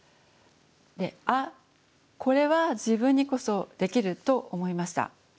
であっこれは自分にこそできると思いました。